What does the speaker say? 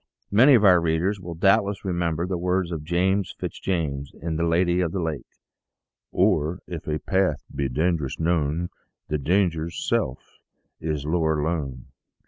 Many of our readers will doubtless remember the words of James Fitz James, in " The Lady of the Lake ": Or, if a path be dangerous known The danger's self is lure alone.